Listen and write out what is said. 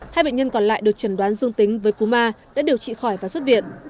hai bệnh nhân còn lại được trần đoán dương tính với cú ma đã điều trị khỏi và xuất viện